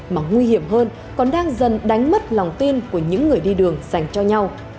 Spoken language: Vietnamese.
mà nguy hiểm hơn còn đang dần đánh mất lòng tin của những người đi đường dành cho nhau